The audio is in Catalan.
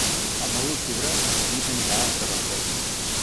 El nou d'octubre en Genís anirà a Tavertet.